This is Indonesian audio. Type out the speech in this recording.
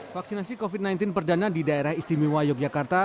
vaksinasi covid sembilan belas perdana di daerah istimewa yogyakarta